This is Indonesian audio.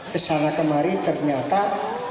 kesana kemari ternyata tidak ada dokter